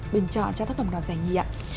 bình chọn cho tác phẩm đoạt giải nhì ạ